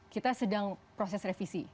kita sedang proses revisi